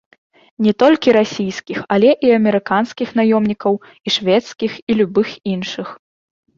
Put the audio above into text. Не толькі расійскіх, але і амерыканскіх наёмнікаў, і шведскіх, і любых іншых.